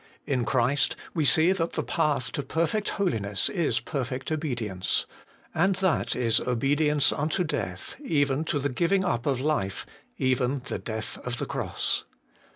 In Christ we see that the path to perfect holiness is perfect obedience. And that is obedience unto death, even to the giving up of life, even the death of the cross.